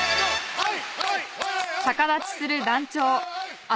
はい！